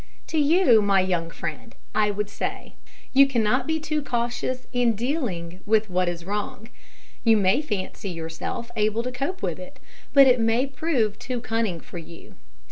To you, my young friend, I would say You cannot be too cautious in dealing with what is wrong. You may fancy yourself able to cope with it, but it may prove too cunning for you.